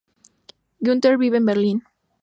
Günther vive en Berlín.